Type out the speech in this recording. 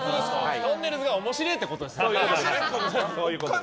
とんねるずがおもしれえってことですね。